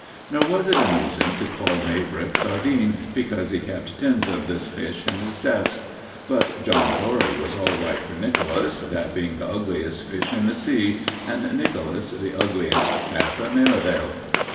Nor was it amusing to call Maybrick "Sardine" because he kept tins of this fish in his desk; but "John Dory" was all right for Nicholas, that being the ugliest fish in the sea, and Nicholas the ugliest chap at Merivale.